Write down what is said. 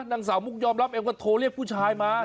นางสาวมุกยอมรับเองว่าโทรเรียกผู้ชายมา